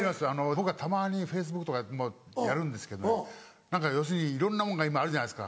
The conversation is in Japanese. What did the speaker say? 僕はたまにＦａｃｅｂｏｏｋとかやるんですけど何か要するにいろんなもんが今あるじゃないですか。